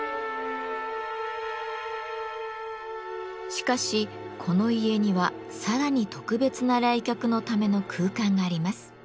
しかしこの家にはさらに特別な来客のための空間があります。